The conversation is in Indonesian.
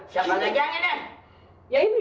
siapa gajahnya dan